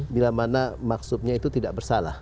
bila mana maksudnya itu tidak bersalah